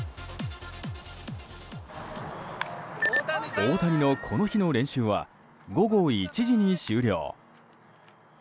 大谷のこの日の練習は午後１時に終了。